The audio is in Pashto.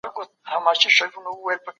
پر ميرمنو باندي هم جهاد فرض دی.